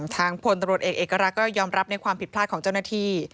ทางพลตำรวจเอกเอกรักษ์ก็ยอมรับในความผิดพลาดของเจ้าหน้าที่